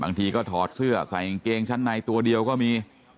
บางทีก็ถอดเสื้อใส่กางเกงชั้นในตัวเดียวก็มี